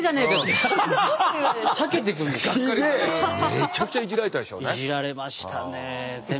めちゃくちゃいじられたでしょうね。